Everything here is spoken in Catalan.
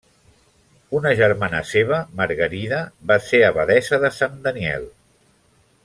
Una germana seva, Margarida, va ser abadessa de Sant Daniel.